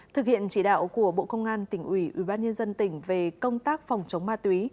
thực hiện chỉ đạo của bộ công an tỉnh ủy ubnd tỉnh về công tác phòng chống ma túy